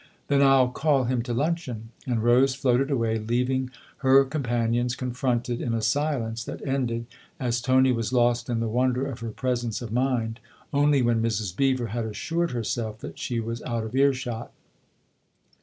"Then I'll call him to luncheon." And Rose floated away, leaving 1 er companions confronted in a silence that ended as Tony was lost in the wonder of her presence of mind only when Mrs. Beever had assured herself that she was out of earshot.